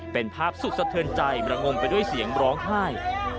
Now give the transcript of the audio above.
เป็นภาพสุดสะเทินใจมระงมไปด้วยเสียงร้องไห้